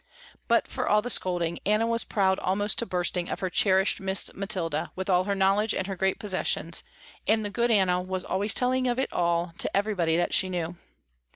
But for all the scolding, Anna was proud almost to bursting of her cherished Miss Mathilda with all her knowledge and her great possessions, and the good Anna was always telling of it all to everybody that she knew.